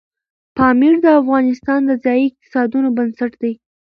پامیر د افغانستان د ځایي اقتصادونو بنسټ دی.